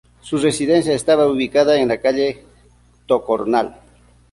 Su residencia estaba ubicada en la Calle Tocornal.